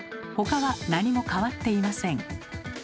他は何も変わっていません。